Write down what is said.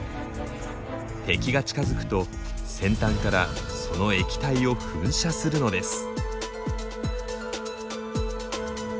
敵が近づくと先端からその液体を噴射するのです。